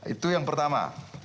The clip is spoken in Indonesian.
itu yang pertama